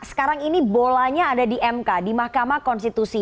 sekarang ini bolanya ada di mk di mahkamah konstitusi